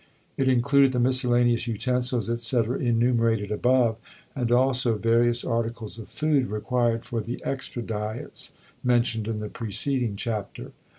It included the miscellaneous utensils, etc., enumerated above, and also various articles of food required for the "extra diets" mentioned in the preceding chapter.